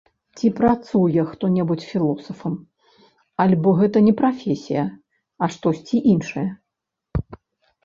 Ці працуе хто-небудзь філосафам альбо гэта не прафесія, а штосьці іншае?